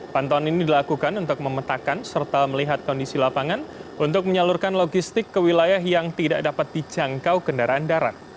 pantauan ini dilakukan untuk memetakan serta melihat kondisi lapangan untuk menyalurkan logistik ke wilayah yang tidak dapat dijangkau kendaraan darat